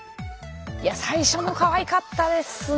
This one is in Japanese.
最初のかわいかったですね。